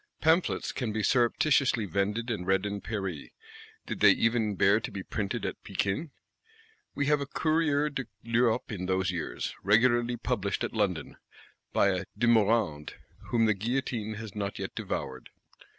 Pamphlets can be surreptititiously vended and read in Paris, did they even bear to be "Printed at Pekin." We have a Courrier de l'Europe in those years, regularly published at London; by a De Morande, whom the guillotine has not yet devoured.